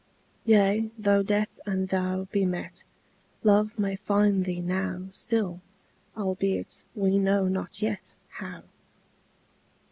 Yea, though death and thou be met, Love may find thee now Still, albeit we know not yet How.